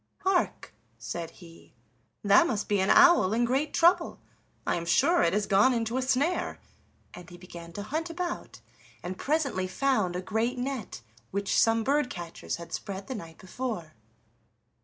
"Hark!" said he, "that must be an owl in great trouble, I am sure it has gone into a snare"; and he began to hunt about, and presently found a great net which some bird catchers had spread the night before.